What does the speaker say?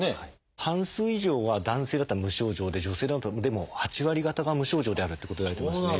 半数以上は男性だったら無症状で女性でも８割方が無症状であるということがいわれてますね。